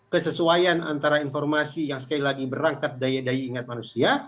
kesesuaian antara informasi yang sekali lagi berangkat daya daya ingat manusia